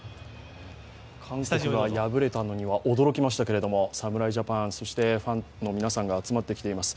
韓国が敗れたのには驚きましたけど、侍ジャパン、そしてファンの皆さんが集まってきています。